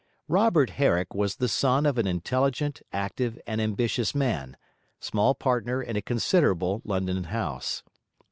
Robert Herrick was the son of an intelligent, active, and ambitious man, small partner in a considerable London house.